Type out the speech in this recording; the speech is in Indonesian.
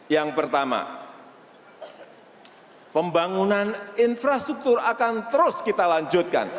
yang pertama pembangunan infrastruktur akan terus kita lanjutkan